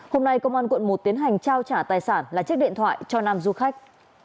hôm nay công an quận một tiến hành trao trả tài sản là chiếc điện thoại cho nam du khách